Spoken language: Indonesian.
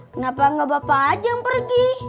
kenapa nggak bapak aja yang pergi